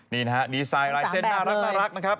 นี่นะฮะดีไซน์ลายเส้นน่ารักนะครับ